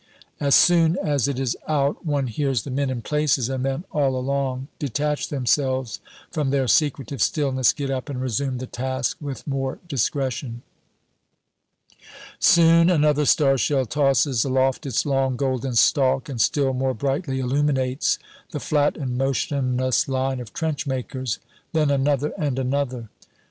As soon as it is out one hears the men, in places and then all along, detach themselves from their secretive stillness, get up, and resume the task with more discretion. Soon another star shell tosses aloft its long golden stalk, and still more brightly illuminates the flat and motionless line of trenchmakers. Then another and another.